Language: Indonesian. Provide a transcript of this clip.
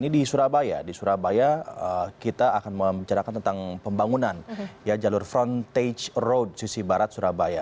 ini di surabaya di surabaya kita akan membicarakan tentang pembangunan jalur frontage road sisi barat surabaya